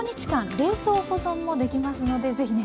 冷蔵保存もできますので是非ね